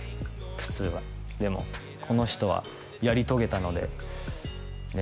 普通はでもこの人はやり遂げたのでね